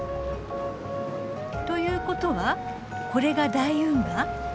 ということはこれが大運河。